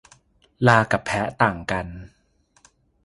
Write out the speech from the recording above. ลากับแพะต่างกัน